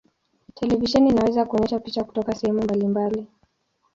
Televisheni inaweza kuonyesha picha kutoka sehemu mbalimbali.